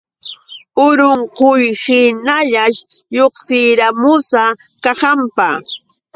Urunquyhiñallash lluqsiramusa kahanpa.